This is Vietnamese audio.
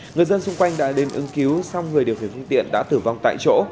người dân xung quanh đã đến ứng cứu xong người điều khiển phương tiện đã tử vong tại chỗ